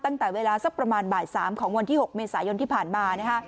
ตั้งแต่เวลาสักประมาณบ่าย๓ของวันที่๖เมษายนที่ผ่านมานะฮะ